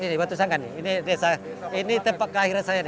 ini batu sanggan ini tempat keakhiran saya ini